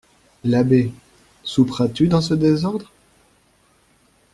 L'abbé, souperas-tu dans ce désordre?